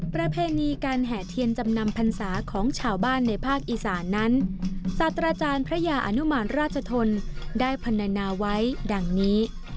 ประเพณีการแห่เทียนจำนำพรรษาของชาวบ้านในภาคอีสานนั้นศาสตราจารย์พระยาอนุมานราชทนได้พันนานาไว้ดังนี้